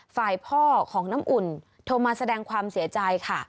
ฝ่ายพ่อของน้ำอุ่นโทรมาแสดงความเสียใจค่ะ